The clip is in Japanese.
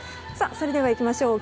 それではいきましょう。